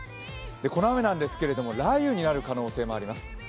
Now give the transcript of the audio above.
この雨なんですが、雷雨になる可能性もあります。